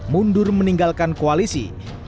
mundur meninggalkan koalisi